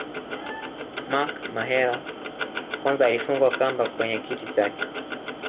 Mark Mahela kwanza alifungwa kamba kwenye kiti chake